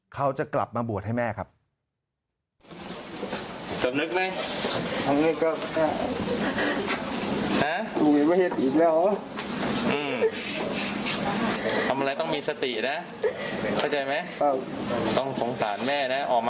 เขาจะกลับมาบวชให้แม่ครับ